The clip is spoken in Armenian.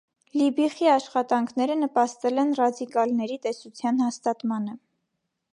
Լիբիխի աշխատանքները նպաստել են ռադիկալների տեսության հաստատմանը։